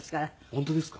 本当ですか？